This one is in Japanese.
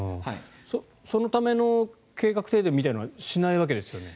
そのための計画停電みたいなのはしないわけですよね。